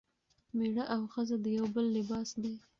میړه او ښځه د یو بل لباس دي.